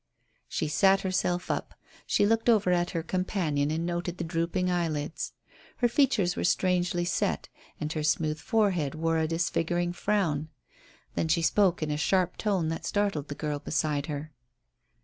She sat herself up, she looked over at her companion and noted the drooping eyelids. Her features were strangely set, and her smooth forehead wore a disfiguring frown. Then she spoke in a sharp tone that startled the girl beside her.